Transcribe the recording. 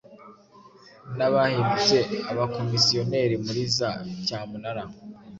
na bahindutse abakomisiyoneri muri za cyamunara?